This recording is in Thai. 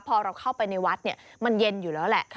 พอเราเข้าไปในวัดมันเย็นอยู่แล้วแหละ